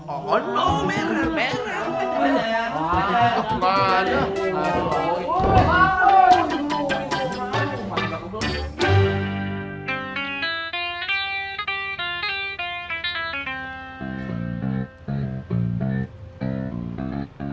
oh noh merah merah